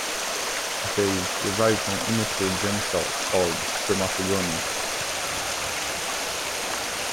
They derive from immature germ cells called spermatogonia.